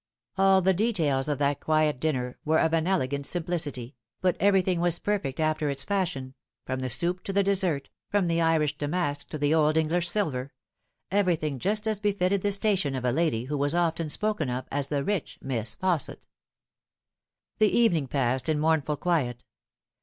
All the details of that quiet dinner were of an elegant simplicity, but everything was perfect after its fashion, from the soup to No lAght. 171 the dessert, from the Irish damask to the old English silver everything such as befitted the station of a lady who was often spoken of as the rich Miss Fausset. The evening passed in mournful quiet.